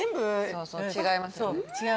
そうそう違いますよね